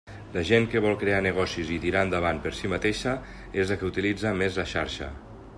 La gent que vol crear negocis i tirar endavant per si mateixa és la que utilitza més la xarxa.